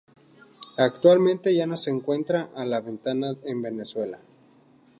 Actualmente ya no se encuentra a la venta en Venezuela.